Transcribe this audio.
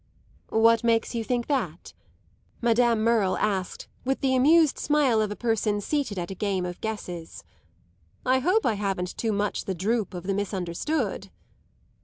"What makes you think that?" Madame Merle asked with the amused smile of a person seated at a game of guesses. "I hope I haven't too much the droop of the misunderstood."